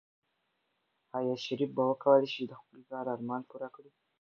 آیا شریف به وکولی شي چې د خپل پلار ارمان پوره کړي؟